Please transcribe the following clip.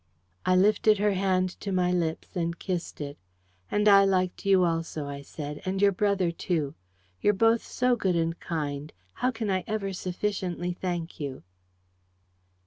I lifted her hand to my lips and kissed it. "And I liked you also," I said, "and your brother, too. You're both so good and kind. How can I ever sufficiently thank you?"